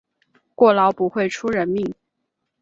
过劳不会出人命